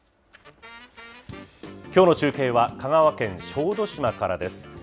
きょうの中継は、香川県小豆島からです。